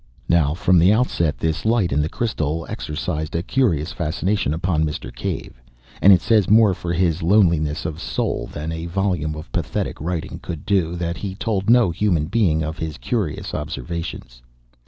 Now, from the outset this light in the crystal exercised a curious fascination upon Mr. Cave. And it says more for his loneliness of soul than a volume of pathetic writing could do, that he told no human being of his curious observations.